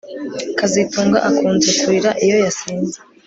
kazitunga akunze kurira iyo yasinze